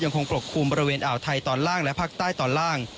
คงปกคลุมบริเวณอ่าวไทยตอนล่างและภาคใต้ตอนล่าง